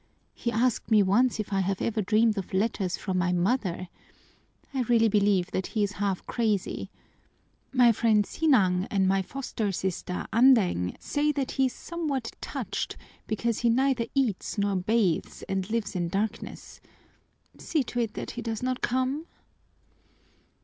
He asked me once if I have ever dreamed of letters from my mother. I really believe that he is half crazy. My friend Sinang and my foster sister, Andeng, say that he is somewhat touched, because he neither eats nor bathes and lives in darkness. See to it that he does not come!"